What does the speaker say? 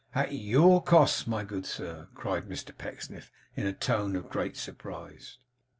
'At YOUR cost, my good sir!' cried Mr Pecksniff, in a tone of great surprise.